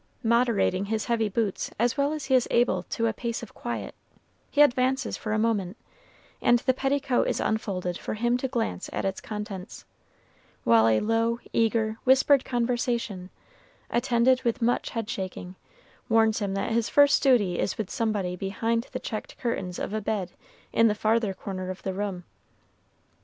Moderating his heavy boots as well as he is able to a pace of quiet, he advances for a moment, and the petticoat is unfolded for him to glance at its contents; while a low, eager, whispered conversation, attended with much head shaking, warns him that his first duty is with somebody behind the checked curtains of a bed in the farther corner of the room.